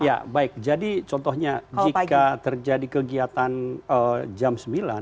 ya baik jadi contohnya jika terjadi kegiatan jam sembilan